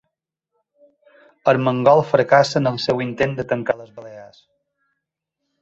Armengol fracassa en el seu intent de tancar les Balears